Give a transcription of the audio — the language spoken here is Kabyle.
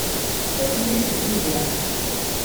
Takemmict n yizan.